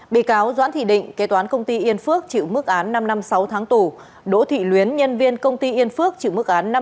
bị cáo doãn thị định kế toán công ty yên phước chịu mức án năm năm sáu tháng tù đỗ thị luyến nhân viên công ty yên phước chịu mức án năm tù